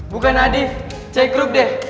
bukan adik cek grup deh